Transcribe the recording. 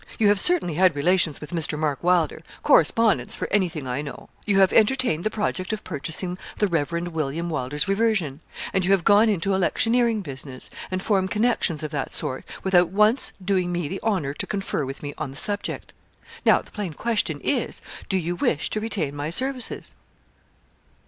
You have certainly had relations with Mr. Mark Wylder correspondence, for anything I know. You have entertained the project of purchasing the Reverend William Wylder's reversion; and you have gone into electioneering business, and formed connections of that sort, without once doing me the honour to confer with me on the subject. Now, the plain question is, do you wish to retain my services?'